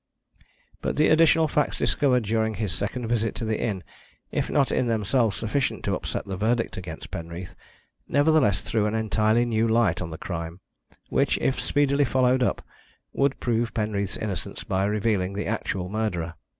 But the additional facts discovered during his second visit to the inn, if not in themselves sufficient to upset the verdict against Penreath, nevertheless threw an entirely new light on the crime, which, if speedily followed up, would prove Penreath's innocence by revealing the actual murderer.